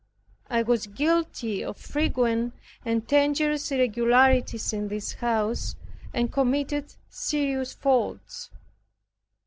I was guilty of frequent and dangerous irregularities in this house, and committed serious faults.